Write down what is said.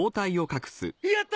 ・やった！